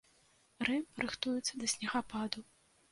Рым рыхтуецца да снегападу.